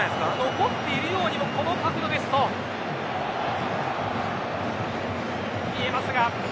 残っているようにも今の角度ですと見えますが。